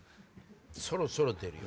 そろそろ出るよ。